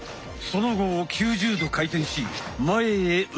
その後９０度回転し前へ受ける。